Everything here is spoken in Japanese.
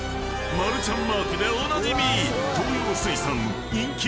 ［マルちゃんマークでおなじみ］